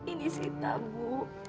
ini sita bu